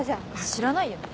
知らないよね。